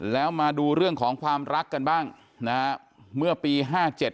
แล้วมาดูเรื่องของความรักกันบ้างนะฮะเมื่อปีห้าเจ็ด